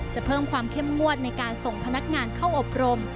จะเพิ่มความเข้มงวดในการส่งพนักงานเข้าอบรม